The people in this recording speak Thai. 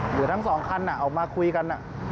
เดี๋ยวทั้งสองคันออกมาคุยกัน